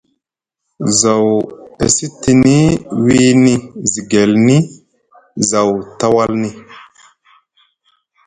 Zaw e sitini wiini zigelni zaw tawalni.